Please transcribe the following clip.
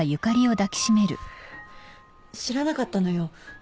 知らなかったのよ。